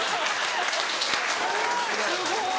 すごい。